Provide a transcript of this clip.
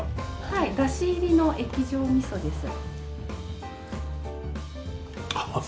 はいだし入りの液状みそです。